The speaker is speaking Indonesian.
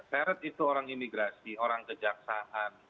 seret itu orang imigrasi orang kejaksaan